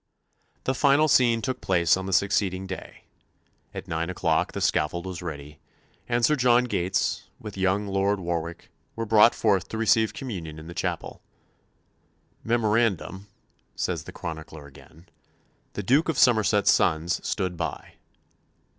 The final scene took place on the succeeding day. At nine o'clock the scaffold was ready, and Sir John Gates, with young Lord Warwick, were brought forth to receive Communion in the chapel ("Memorandum," says the chronicler again, "the Duke of Somerset's sons stood by").